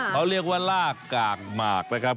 เขาเรียกว่าลากกากหมากนะครับ